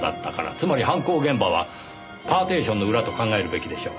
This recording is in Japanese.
つまり犯行現場はパーティションの裏と考えるべきでしょう。